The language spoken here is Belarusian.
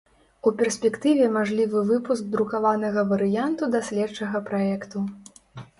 У перспектыве мажлівы выпуск друкаванага варыянту даследчага праекту.